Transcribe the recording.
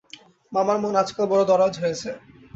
মামার মন আজকাল বড় দরাজ হয়েছে।